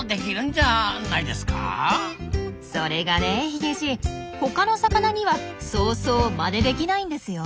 それがねヒゲじい他の魚にはそうそうまねできないんですよ。